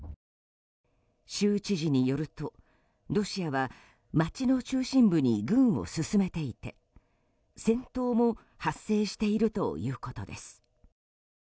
州知事によるとロシアは街の中心部に軍を進めていて戦闘も発生しているということです。